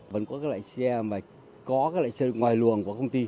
vẫn có các loại xe mà có các loại xe ngoài luồng của công ty